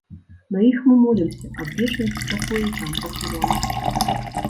На іх мы молімся аб вечным супакоі там пахаваных.